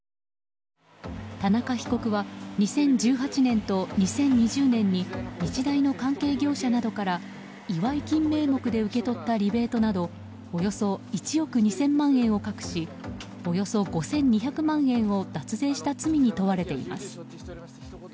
田中被告は２０１８年と２０２０年に日大の関係業者などから祝い金名目で受け取ったリベートなどおよそ１億２０００万円を隠しおよそ５２００万円を脱税した罪に問われています。